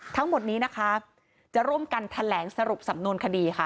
ทั้งหมดนี้นะคะจะร่วมกันแถลงสรุปสำนวนคดีค่ะ